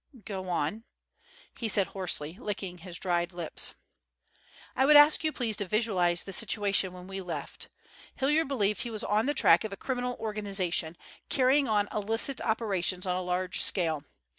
"Go on," he said hoarsely, licking his dry lips. "I would ask you please to visualize the situation when we left. Hilliard believed he was on the track of a criminal organization, carrying on illicit operations on a large scale.